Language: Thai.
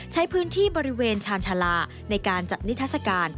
ใช้พื้นที่บริเวณชาญชาลาในการจัดนิทัศกาล